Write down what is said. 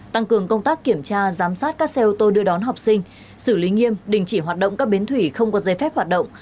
tăng cường công tác kiểm tra giám sát các xe ô tô đưa đón học sinh xử lý nghiêm đình chỉ hoạt động các bến thủy không có dây phép hoạt động